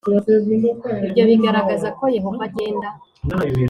Ibyo Bigaragaza Ko Yehova Agenda